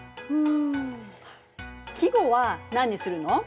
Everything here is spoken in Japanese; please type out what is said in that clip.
ん季語は何にするの？